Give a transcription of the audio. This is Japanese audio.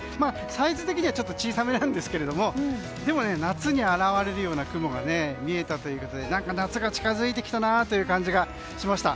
サイズ的にはちょっと小さ目なんですけどでも、夏に現れるような雲が見えたということで夏が近づいてきたなという感じがしました。